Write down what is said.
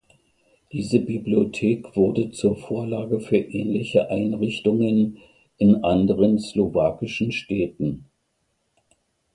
Diese Bibliothek wurde zur Vorlage für ähnliche Einrichtungen in anderen slowakischen Städten.